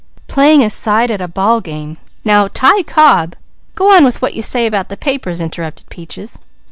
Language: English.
"Playin' a side at a ball game. Now Ty Cobb " "Go on with what you say about the papers," interrupted Peaches.